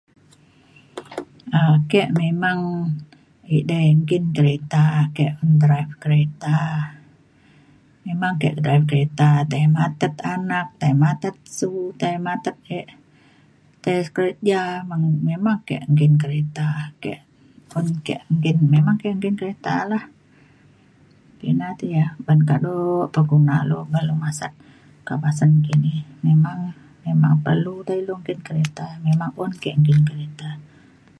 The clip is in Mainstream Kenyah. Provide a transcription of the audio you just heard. um ake memang edei nggin kereta ke un drive kereta. Memang ake drive kereta tai matet anak tai matet su tai matet e- tai kerja memang ke nggin kereta ke. Un ke nggin memang ke nggin kereta lah ina te ya ban kado pengguna lu buk lu masat kak pasen kini memang memang perlu da ilu nggin kereta memang un ke nggin kereta.